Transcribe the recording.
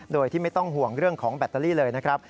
โดยที่ไม่ต้องห่วงเรื่องของแบตเตอรี่เลยนะครับ